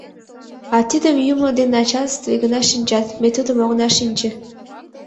— А тидым юмо ден начальстве гына шинчат, ме тудым огына шинче...